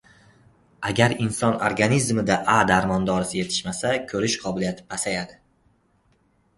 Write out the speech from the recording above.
Agar inson organizmida A darmondorisi yetishmasa, ko‘rish qobiliyati pasayadi.